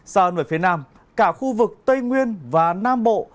sao ơn về phía nam cả khu vực tây nguyên và nam bộ